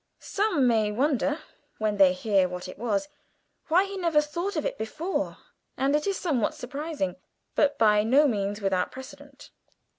Some may wonder, when they hear what it was, why he never thought of it before, and it is somewhat surprising, but by no means without precedent.